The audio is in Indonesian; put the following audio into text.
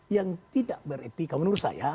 yang tidak beretika menurut saya